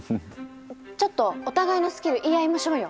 ちょっとお互いのスキル言い合いましょうよ。